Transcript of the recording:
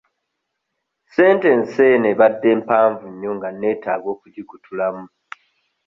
Sentensi eno ebadde mpanvu nnyo nga nneetaaga okugikutulamu.